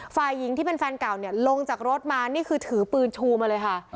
ฝ่ายหญิงที่เป็นแฟนเก่าเนี่ยลงจากรถมานี่คือถือปืนชูมาเลยค่ะ